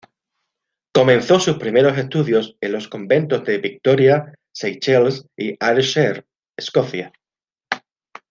Comenzó sus primeros estudios en los Conventos de Victoria, Seychelles; y Ayrshire, Escocia.